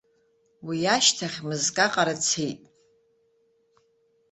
Уи ашьҭахь мызкаҟара цеит.